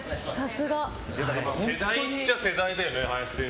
世代っちゃ世代だよね。